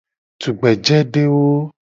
Tugbejedewo.